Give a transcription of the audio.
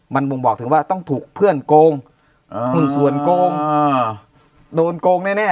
มันบ่งบอกถึงว่าต้องถูกเพื่อนโกงหุ้นส่วนโกงโดนโกงแน่